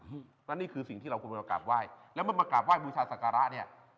เพราะฉะนั้นนี่คือสิ่งที่เราควรมากราบไหว้แล้วเมื่อมากราบไห้บูชาศักระเนี่ย